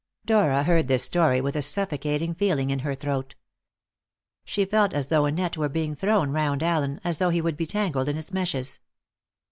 Dora heard this story with a suffocating feeling in her throat. She felt as though a net were being thrown round Allen, as though he would be tangled in its meshes.